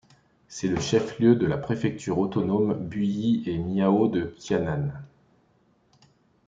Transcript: C'est le chef-lieu de la préfecture autonome buyei et miao de Qiannan.